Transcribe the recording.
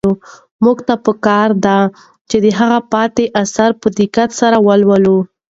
موږ ته په کار ده چې د هغه پاتې اثار په دقت سره ولولو.